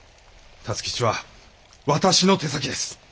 辰吉は私の手先です。